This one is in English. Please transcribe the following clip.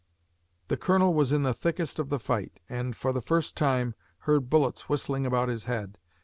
The Colonel was in the thickest of the fight and, for the first time, heard bullets whistling about his head.